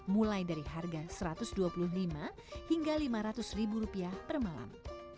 mulai dari harga satu ratus dua puluh lima hingga lima ratus ribu rupiah per malam